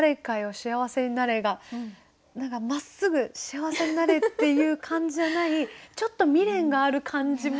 幸せになれ」がまっすぐ「幸せになれ」っていう感じじゃないちょっと未練がある感じも。